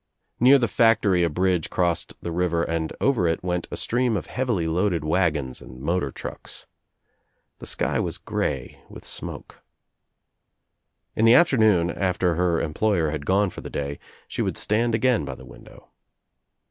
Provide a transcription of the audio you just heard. Near the factory a bridge crossed the river and over it went a stream of heavily loaded wagons and motor trucks. The sky was grey with smoke, In the afternoon, after her employer had gone for the day, she would stand again by the window.